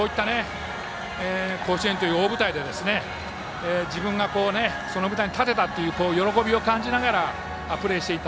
甲子園という大舞台で自分が、その舞台に立てたという喜びを感じながらプレーしていた、